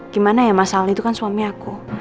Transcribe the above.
gimana ya mas ali itu kan suami aku